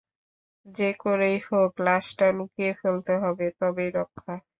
যে করেই হোক লাশটা লুকিয়ে ফেলতে হবে, তবেই রক্ষা।